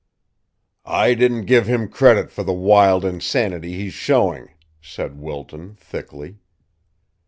"I didn't give him credit for the wild insanity he's showing," said Wilton thickly.